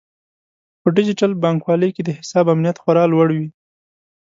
په ډیجیټل بانکوالۍ کې د حساب امنیت خورا لوړ وي.